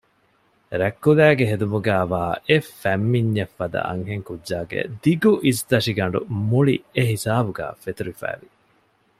ރަތްކުލައިގެ ހެދުމުގައިވާ އެ ފަތްމިންޏެއް ފަދަ އަންހެން ކުއްޖާގެ ދިގު އިސްތަށިގަނޑު މުޅި އެ ހިސާބުގައި ފެތުރިފައިވި